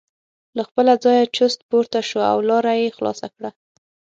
له خپله ځایه چست پورته شو او لاره یې خلاصه کړه.